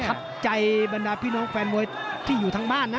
พัทับใจที่พี่น้องแฟนมวยที่อยู่ทั้งบ้านนะ